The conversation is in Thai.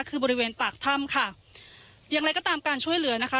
คือบริเวณปากถ้ำค่ะอย่างไรก็ตามการช่วยเหลือนะคะ